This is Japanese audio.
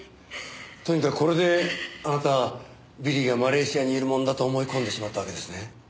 とにかくこれであなたビリーがマレーシアにいるもんだと思い込んでしまったわけですね。